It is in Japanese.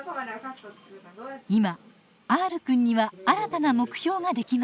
今Ｒくんには新たな目標ができました。